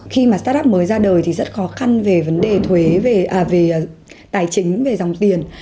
khi mà startup mới ra đời thì rất khó khăn về vấn đề tài chính về dòng tiền